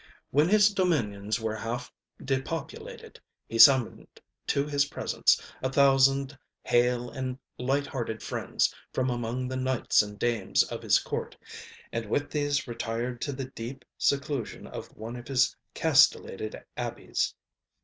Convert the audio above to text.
When his dominions were half depopulated, he summoned to his presence a thousand hale and light hearted friends from among the knights and dames of his court, and with these retired to the deep seclusion of one of his castellated abbeys.